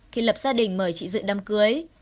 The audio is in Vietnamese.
khi lập gia đình mời chị dự đám cưới